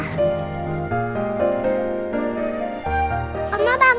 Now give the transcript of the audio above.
aku mau main sepeda sama papa